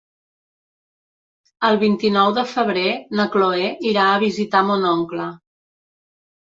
El vint-i-nou de febrer na Chloé irà a visitar mon oncle.